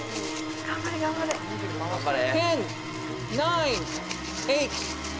頑張れ頑張れ！